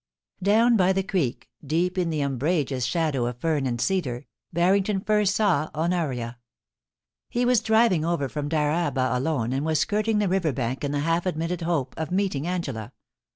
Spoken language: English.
Down by the creek, deep in the umbrageous shadow of fern and cedar, Harrington first saw Honoria. He was driving over from Dyraaba alone, and was skirting the river bank in the half admitted hope of meeting Angela.